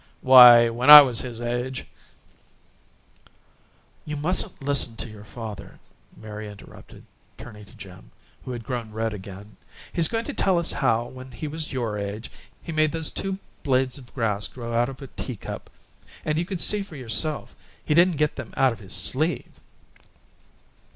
Why, when I was his age " "You must listen to your father," Mary interrupted, turning to Jim, who had grown red again. "He's going to tell us how, when he was your age, he made those two blades of grass grow out of a teacup and you could see for yourself he didn't get them out of his sleeve!"